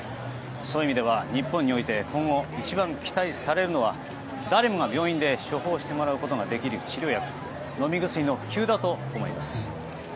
そういう意味では日本において今後、一番期待されるのは誰もが病院で処方してもらうことができる治療薬飲み薬の普及だと思います。